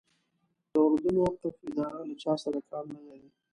د اردن وقف اداره له چا سره کار نه لري.